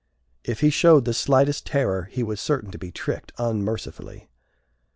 If he showed the slightest terror, he was certain to be tricked unmercifully.